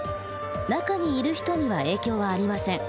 中にいる人には影響はありません。